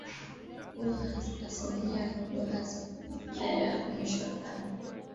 kuwa asilimia ndogo hasa kufikia mwisho wa karne